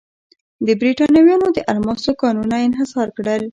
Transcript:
برېټانویانو د الماسو کانونه انحصار کړل.